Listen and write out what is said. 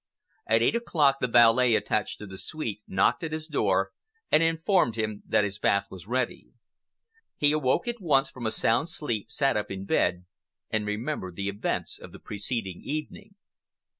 At eight o'clock, the valet attached to the suite knocked at his door and informed him that his bath was ready. He awoke at once from a sound sleep, sat up in bed, and remembered the events of the preceding evening.